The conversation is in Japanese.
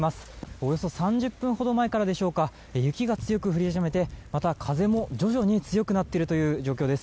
およそ３０分ほど前からでしょうか、雪が強く降り始めて、また風も徐々に強くなっている状況です。